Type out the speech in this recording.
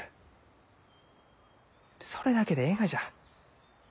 それだけでえいがじゃ。